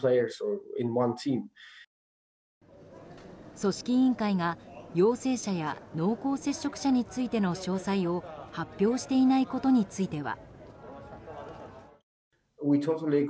組織委員会が、陽性者や濃厚接触者についての詳細を発表していないことについては。